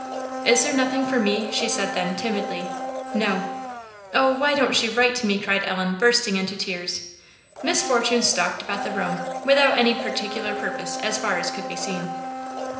"Is there nothing for me?" she said then, timidly. "No." "Oh! why don't she write to me?" cried Ellen, bursting into tears. Miss Fortune stalked about the room, without any particular purpose as far as could be seen.